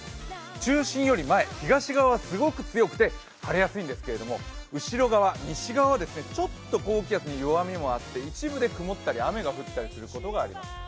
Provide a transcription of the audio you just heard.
中心より前、東側はすごく強くて晴れやすいんですけれども、後ろ側、西側はちょっと高気圧の弱みがあって一部で曇ったり雨が降ったりすることがあります。